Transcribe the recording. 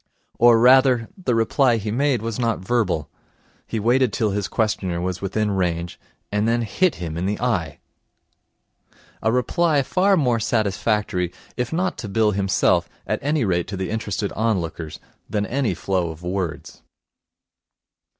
Or, rather, the reply he made was not verbal. He waited till his questioner was within range, and then hit him in the eye. A reply far more satisfactory, if not to Bill himself, at any rate to the interested onlookers, than any flow of words.